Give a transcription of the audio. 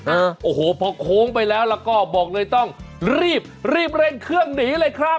โอ้โหพอโค้งไปแล้วแล้วก็บอกเลยต้องรีบรีบเร่งเครื่องหนีเลยครับ